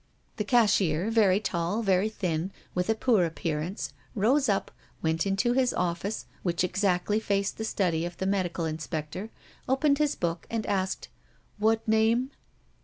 The cashier, very tall, very thin, with a poor appearance, rose up, went into his office, which exactly faced the study of the medical inspector, opened his book, and asked: "What name?"